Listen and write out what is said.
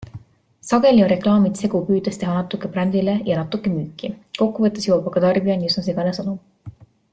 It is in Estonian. Sageli on reklaamid segu püüdest teha natuke brändile ja natuke müüki, kokkuvõttes jõuab aga tarbijani üsna segane sõnum.